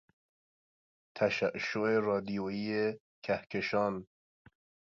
تشعشع رادیوئی کهکشان